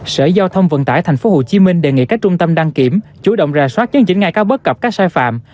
sở giao thông vận tải tp hcm đề nghị các trung tâm đăng kiểm chủ động ra soát chấn chỉnh ngay các bất cập các sai phạm